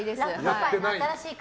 新しい風。